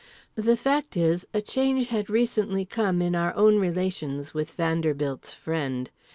The fact is, a change had recently come in our own relations with Vanderbilt's friend.